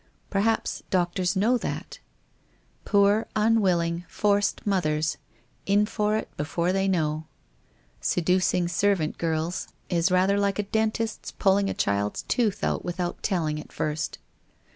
Perhaps doctors know that? Poor, unwilling, forced mothers — in for it before they know! Seducing servant girls is 412 WHITE ROSE OF WEARY LEAF rather like a dentist's pulling a child's tooth out without telling it first.